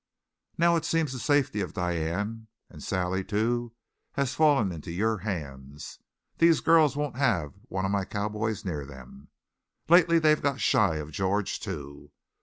"Now, it seems the safety of Diane, and Sally, too, has fallen into your hands. The girls won't have one of my cowboys near them. Lately they've got shy of George, too.